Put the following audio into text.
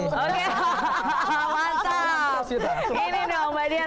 mantap ini dong mbak dian